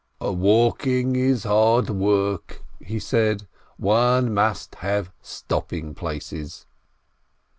"Walking is hard work," he said, "one must have stopping places."